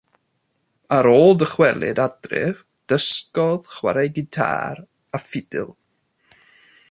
Ar ôl dychwelyd adref, dysgodd chwarae gitâr a ffidil.